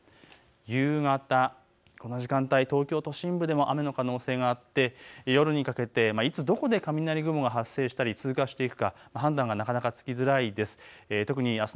夕方、東京都心部でも雨の可能性があって、夜にかけていつ、どこで雷雲が発生したり通過していくか、判断がなかなかつきづらいです。